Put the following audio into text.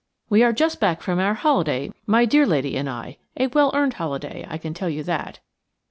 we are just back from our holiday, my dear lady and I–a well earned holiday, I can tell you that.